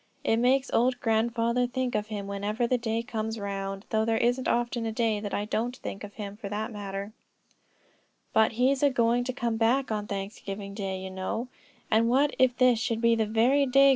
It makes old grandfather think of him whenever the day comes round; though there isn't often a day that I don't think of him, for the matter of that." "But he's a going to come back on Thanksgiving day, you know; and what if this should be the very day.